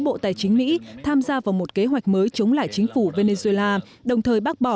bộ tài chính mỹ tham gia vào một kế hoạch mới chống lại chính phủ venezuela đồng thời bác bỏ